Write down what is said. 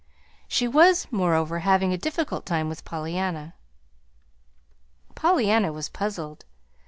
She was, moreover, having a difficult time with Pollyanna. Pollyanna was puzzled.